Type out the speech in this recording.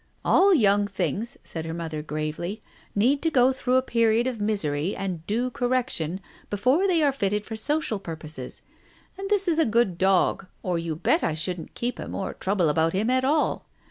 "All young things," said her mother, gravely, "need to go through a period of misery and due correction before they are fitted for social purposes. And this is a good dog, or you bet I shouldn't keep him or trouble about him at all.